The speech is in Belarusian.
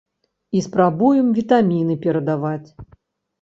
І спрабуем вітаміны перадаваць.